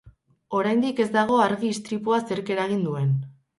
Oraindik ez dago argi istripua zerk eragin duen.